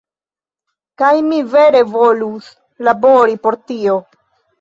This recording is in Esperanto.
Kaj mi vere volus labori por tio.